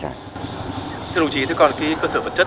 thưa đồng chí thế còn cơ sở vật chất